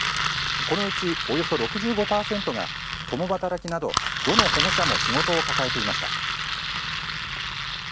このうちおよそ６５％が、共働きなどどの保護者も仕事を抱えていました。